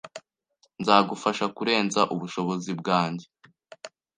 Nzagufasha kurenza ubushobozi bwanjye